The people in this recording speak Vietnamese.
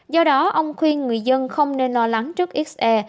do đó ông khuyên người dân không nên lo lắng trước se